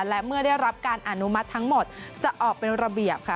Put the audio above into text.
และเมื่อได้รับการอนุมัติทั้งหมดจะออกเป็นระเบียบค่ะ